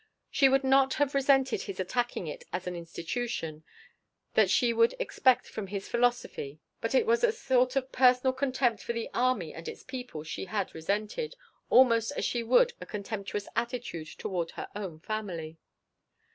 She would not have resented his attacking it as an institution, that she would expect from his philosophy, but it was a sort of personal contempt for the army and its people she had resented, almost as she would a contemptuous attitude toward her own family.